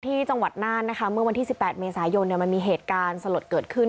จังหวัดน่านนะคะเมื่อวันที่๑๘เมษายนมันมีเหตุการณ์สลดเกิดขึ้น